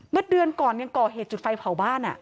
เมื่อเดือนก่อนยังก่อเหตุจุดไฟเผาบ้าน